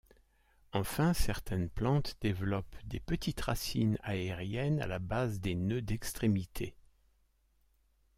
Enfin certaines plantes développent des petites racines aériennes à la base des nœuds d'extrémité.